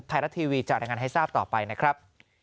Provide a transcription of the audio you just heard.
ไทยรัฐทีวีจะรายงานให้ทราบต่อไปนะครับ